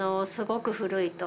すごく古い。